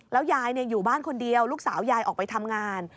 แล้วยายอยู่บ้านคนเดียวลูกสาวยายออกไปทำงาน